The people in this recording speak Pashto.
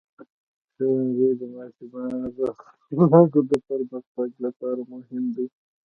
ښوونځی د ماشومانو د اخلاقو د پرمختګ لپاره مهم دی.